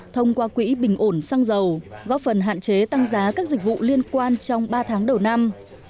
thông qua quỹ bình ổn xăng dầu góp phần hạn chế tăng giá các dịch vụ liên quan trong ba tháng đầu năm